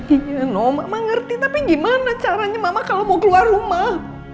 iya nomak mah ngerti tapi gimana caranya mama kalau mau keluar rumah